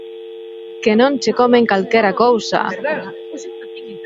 Que non che comen calquera cousa!